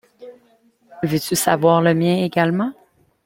Veux-tu savoir le mien également?